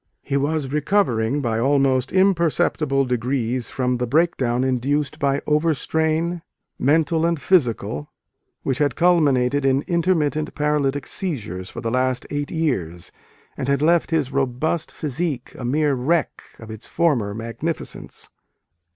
He was recovering by almost imperceptible degrees from the breakdown induced by over strain, mental and physical, which had culminated in intermittent paralytic seizures for the last eight years, and had left his robust physique a mere wreck of its former magnificence.